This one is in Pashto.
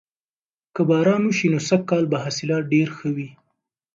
که باران وشي نو سږکال به حاصلات ډیر ښه وي.